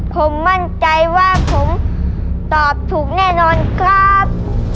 ผมมั่นใจว่าผมตอบถูกแน่นอนครับ